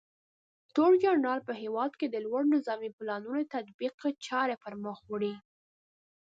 تورنجنرال په هېواد کې د لوړو نظامي پلانونو د تطبیق چارې پرمخ وړي.